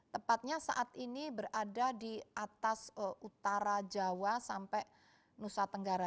tepatnya saat ini berada di atas utara jawa sampai nusa tenggara